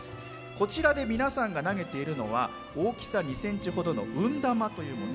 こちらで皆さんが投げているのは大きさ２ｃｍほどの運玉というもの。